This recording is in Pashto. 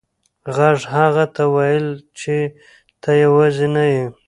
غږ هغه ته وویل چې ته یوازې نه یې.